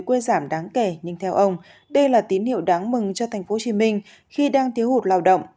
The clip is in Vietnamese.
quê giảm đáng kể nhưng theo ông đây là tín hiệu đáng mừng cho tp hcm khi đang thiếu hụt lao động